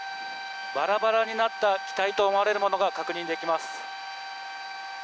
バラバラになった機体と思われるものが確認できます。